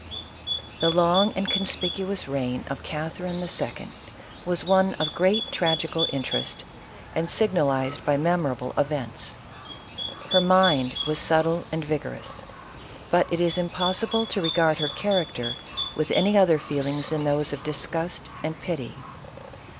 THE long and conspicuous reign of Catherine II. was one of great tragical interest, and signalized by mem orable events. Her mind was subtle and vigorous, but it is impossible to regard her character with any other feelings than those of disgust and pity.